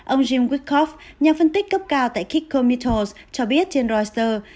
ông jim wyckoff nhà phân tích cấp cao tại kikko metals cho biết trên reuters